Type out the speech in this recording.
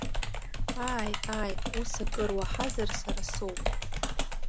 Ааи, ааи, ус акыр уаҳазар сара соуп.